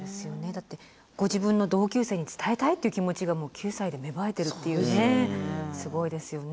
だってご自分の同級生に伝えたいっていう気持ちが９歳で芽生えてるっていうね。